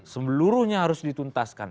semeluruhnya harus dituntaskan